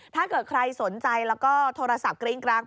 ถ้าเกิดใครสนใจแล้วก็โทรศัพท์กริ้งกลาง